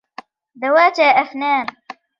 ذَوَاتَا أَفْنَانٍ